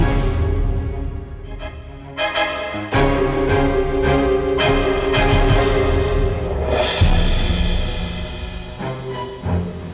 aku gak mau menuruti ibu